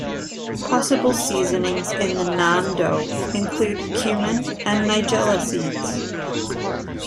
Possible seasonings in the naan dough include cumin and nigella seeds.